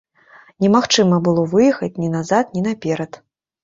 Немагчыма было выехаць ні назад, ні наперад.